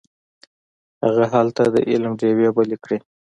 هغه هلته د علم ډیوې بلې کړې.